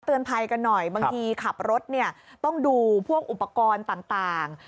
เตือนภัยกันหน่อยบางทีขับรถต้องดูพวกอุปกรณ์ต่าง